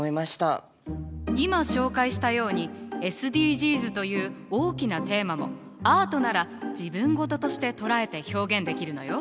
今紹介したようにＳＤＧｓという大きなテーマもアートなら自分ごととして捉えて表現できるのよ。